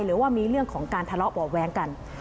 หรือว่ามีเรื่องของการทะเลาะเบาะแว้งกัน